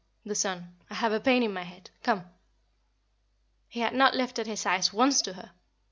The sun. I have a pain in my head. Come." He had not lifted his eyes once to her.